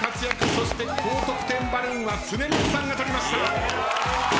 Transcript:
そして高得点バルーンは恒松さんが取りました。